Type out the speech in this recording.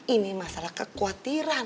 ini masalah kekhawatiran